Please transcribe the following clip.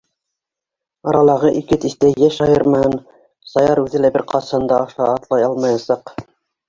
Аралағы ике тиҫтә йәш айырмаһын Саяр үҙе лә бер ҡасан да аша атлай алмаясаҡ.